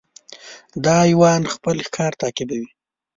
دا حیوان خپل ښکار تعقیبوي.